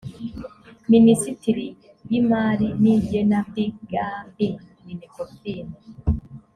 minisiteri y imali n igenambigambi minecofin